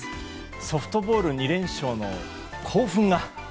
ソフトボール２連勝の興奮が。